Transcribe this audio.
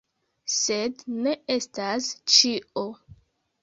Sed ne estas ĉio.